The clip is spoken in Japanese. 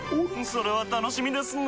それは楽しみですなぁ。